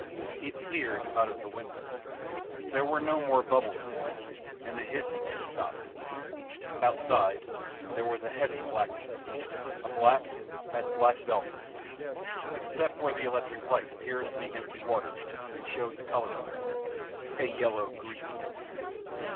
He peered out of the window. There were no more bubbles now, and the hissing had stopped. Outside there was a heavy blackness as black as black velvet except where the electric light pierced the empty water and showed the colour of it a yellow green.